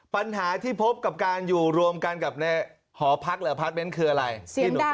ปัญหาที่พบกับการอยู่รวมกันกับหอพักแมมคืออะไร